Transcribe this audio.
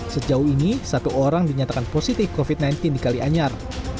sejauh ini satu orang dinyatakan positif covid sembilan belas di kalianyar